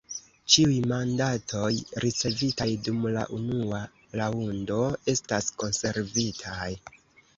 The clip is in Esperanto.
Ĉiuj mandatoj ricevitaj dum la unua raŭndo estas konservitaj.